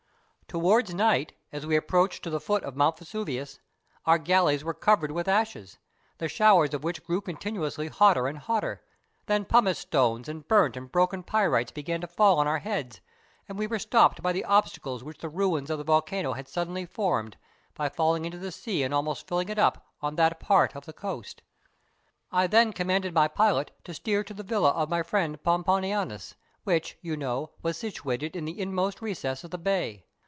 Towards night, as we approached to the foot of Mount Vesuvius, our galleys were covered with ashes, the showers of which grew continually hotter and hotter; then pumice stones and burnt and broken pyrites began to fall on our heads, and we were stopped by the obstacles which the ruins of the volcano had suddenly formed, by falling into the sea and almost filling it up, on that part of the coast. I then commanded my pilot to steer to the villa of my friend Pomponianus, which, you know, was situated in the inmost recess of the bay.